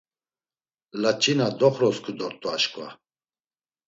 Laç̌ina doxrosǩu dort̆u aşǩva.